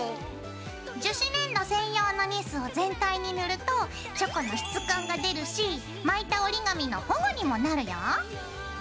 樹脂粘土専用のニスを全体に塗るとチョコの質感が出るし巻いた折り紙の保護にもなるよ。